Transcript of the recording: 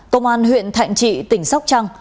công an huyện thạnh trị tỉnh sóc trăng